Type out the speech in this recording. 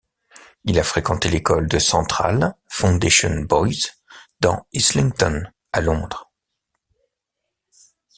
Il a fréquenté l'école de Central Foundation Boys dans Islington, à Londres.